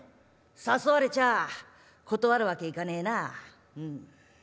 「誘われちゃあ断るわけいかねえなあうん。